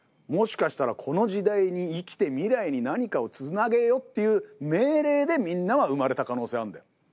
もしかしたらこの時代に生きて未来に何かをつなげよっていう命令でみんなは生まれた可能性あんだよ。